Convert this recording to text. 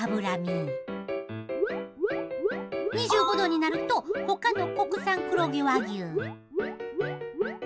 ℃になるとほかの国産黒毛和牛。